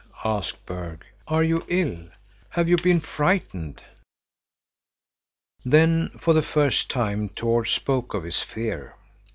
asked Berg. "Are you ill? Have you been frightened?" Then for the first time Tord spoke of his fear.